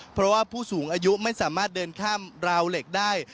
เพราะว่าผู้สูงอายุไม่สามารถเดินข้ามราวเหล็กได้